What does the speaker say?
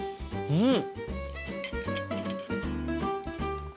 うん。